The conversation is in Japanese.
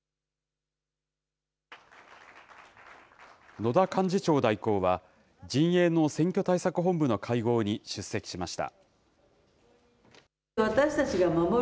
野田幹事長代行は、陣営の選挙対策本部の会合に出席しました。